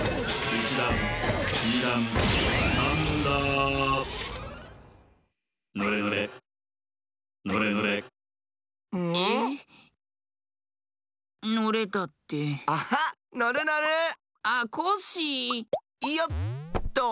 いよっと。